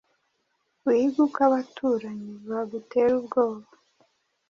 Wige uko abaturanyi bagutera ubwoba